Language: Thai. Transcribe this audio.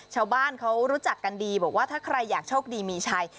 ชาวบ้านเขารู้จักกันดีบอกว่าถ้าใครอยากโชคดีมีชัย